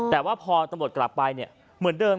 แต่ว่าพอตำรวจกลับไปเหมือนเดิม